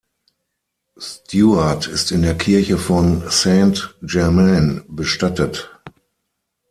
Stuart ist in der Kirche von Saint-Germain bestattet.